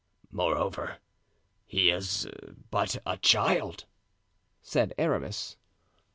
"Moreover, he is but a child," said Aramis.